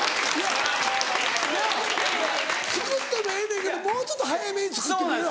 なぁ作ってもええねんけどもうちょっと早めに作ってくれる？話を。